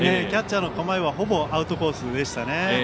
キャッチャーの構えはほぼアウトコースでしたね。